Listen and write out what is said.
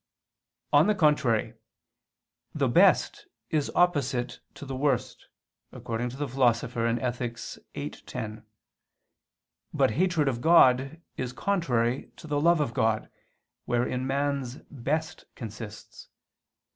On the contrary, The best is opposite to the worst, according to the Philosopher (Ethic. viii, 10). But hatred of God is contrary to the love of God, wherein man's best consists.